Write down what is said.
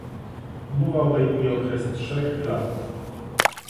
Umowa obejmuje okres trzech lat